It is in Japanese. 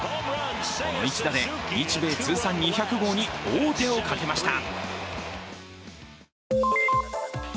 この一打で日米通算２００号に王手をかけました。